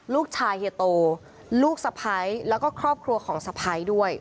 ลูกชายเฮียโตลูกสะพ้ายแล้วก็ครอบครัวของสะพ้ายด้วย